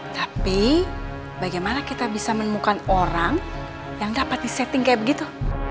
tapi bagaimana kita bisa menemukan orang yang dapat di setting kayak begitu